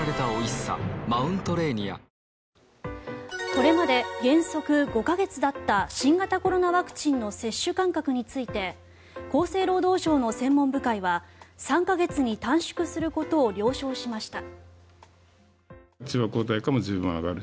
これまで原則５か月だった新型コロナワクチンの接種間隔について厚生労働省の専門部会は３か月に短縮することを了承しました。